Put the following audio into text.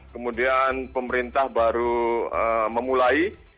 kemudian pemerintah baru memulai